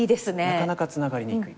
なかなかツナがりにくい。